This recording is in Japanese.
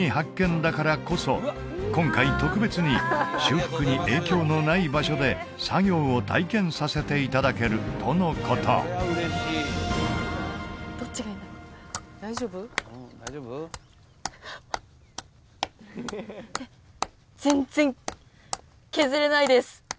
だからこそ今回特別に修復に影響のない場所で作業を体験させていただけるとのことどっちがいいんだろう全然削れないです！